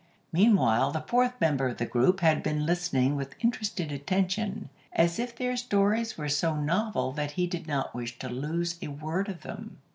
Meanwhile, the fourth member of the group had been listening with interested attention, as if their stories were so novel that he did not wish to lose a word of them.